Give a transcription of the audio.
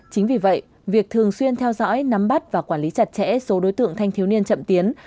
chính vì vậy việc thường xuyên theo dõi nắm bắt và quản lý chặt chẽ số đối tượng thanh thiếu niên chậm tiến